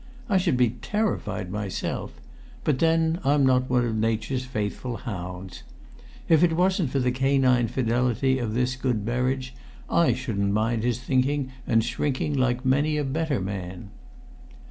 I should be terrified myself; but then I'm not one of nature's faithful hounds. If it wasn't for the canine fidelity of this good Berridge, I shouldn't mind his thinking and shrinking like many a better man."